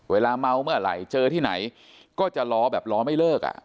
เวลาเมามาเจอที่ไหนก็จะรอแบบรอไม่เลิก